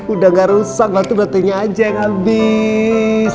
udah nggak rusak batu batainya aja yang habis